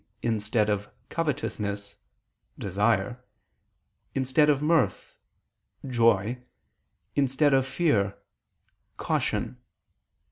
instead of covetousness, "desire"; instead of mirth, "joy"; instead of fear, "caution."